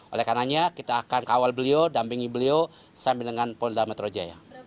oleh karena kita akan kawal beliau dampingi beliau sampai dengan polda metro jaya